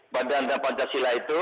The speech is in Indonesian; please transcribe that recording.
badan pancasila itu